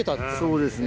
そうです。